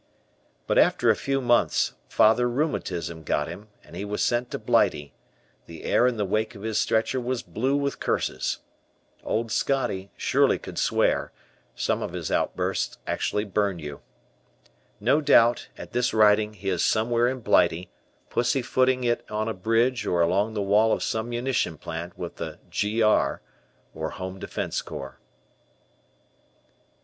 But after a few months Father Rheumatism got him and he was sent to Blighty; the air in the wake of his stretcher was blue with curses. Old Scotty surely could swear; some of his outbursts actually burned you. No doubt, at this writing he is "somewhere in Blighty" pussy footing it on a bridge or along the wall of some munition plant with the "G. R," or Home Defence Corps.